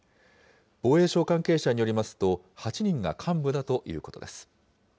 防衛省関係者によりますと、８人が幹部だということです。